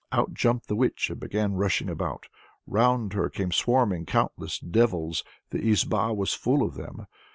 Out jumped the witch and began rushing about. Round her came swarming countless devils, the izba was full of them!